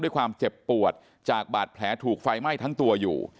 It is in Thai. ด้วยความเจ็บปวดจากบาดแผลถูกไฟไหม้ทั้งตัวอยู่